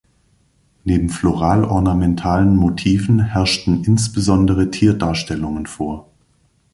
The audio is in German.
Neben floral-ornamentalen Motiven herrschten insbesondere Tierdarstellungen vor.